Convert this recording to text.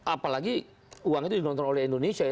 apalagi uangnya itu di gelontorkan oleh indonesia ya